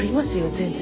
全然。